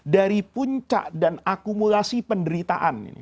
dari puncak dan akumulasi penderitaan ini